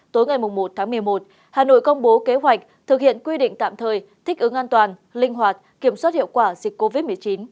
tối ngày một tháng một mươi một hà nội công bố kế hoạch thực hiện quy định tạm thời thích ứng an toàn linh hoạt kiểm soát hiệu quả dịch covid một mươi chín